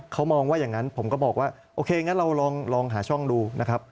เขามองว่าอย่างนั้นผมก็บอกว่าโอเคงั้นเราลองหาช่องดูนะครับ